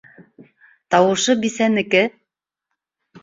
Тауышы бисәнеке!